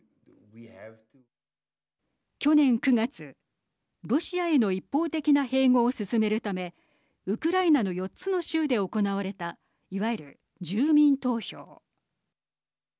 去年９月ロシアへの一方的な併合を進めるためウクライナの４つの州で行われたいわゆる住民投票。